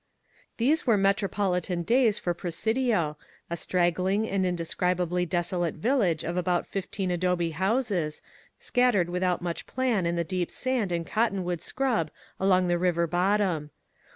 These were metropolitan days for Presidio, a strag gling and indescribably desolate village of about fif teen adobe houses, scattered without much plan in the deep sand and cotton wood scrub along the river bottom.